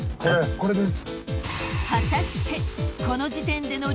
これです。